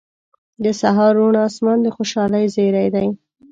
• د سهار روڼ آسمان د خوشحالۍ زیری دی.